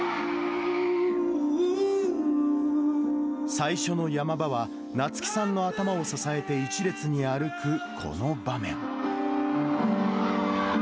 最初のヤマ場は、なつきさんの頭を支えて一列に歩く、この場面。